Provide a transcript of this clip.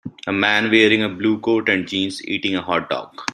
A man wearing a blue coat and jeans eating a hotdog.